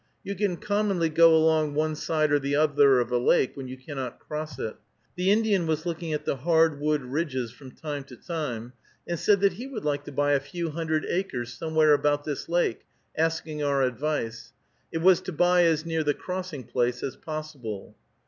You can commonly go along one side or the other of a lake, when you cannot cross it. The Indian was looking at the hard wood ridges from time to time, and said that he would like to buy a few hundred acres somewhere about this lake, asking our advice. It was to buy as near the crossing place as possible.